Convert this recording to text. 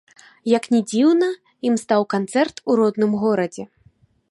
Як ні дзіўна, ім стаў канцэрт у родным горадзе.